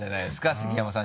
杉山さん